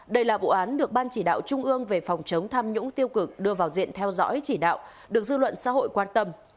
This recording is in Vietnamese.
đây là vụ án được ban chỉ đạo trung ương về phòng chống tham nhũng tiêu cực đưa vào diện theo dõi chỉ đạo được dư luận xã hội quan tâm